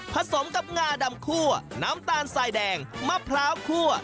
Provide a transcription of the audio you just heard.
สมกับงาดำคั่วน้ำตาลสายแดงมะพร้าวคั่ว